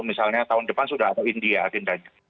misalnya tahun depan sudah ada india agendanya